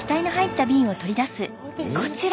こちら。